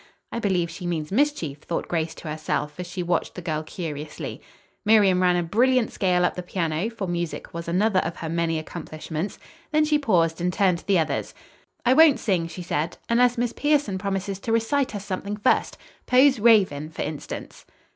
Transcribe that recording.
"I believe she means mischief," thought Grace to herself, as she watched the girl curiously. Miriam ran a brilliant scale up the piano, for music was another of her many accomplishments. Then she paused and turned to the others. "I won't sing," she said, "unless Miss Pierson promises to recite us something first, Poe's 'Raven,' for instance."